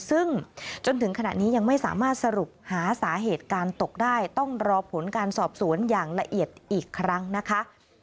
ซึ่งจนถึงขณะนี้ยังไม่สามารถสรุปหาสาเหตุการตกได้ต้องรอผลการสอบสวนอย่างละเอียดอีกครั้งนะคะ